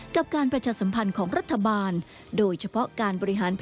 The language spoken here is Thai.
กับการประชาสัมพันธ์ของรัฐบาล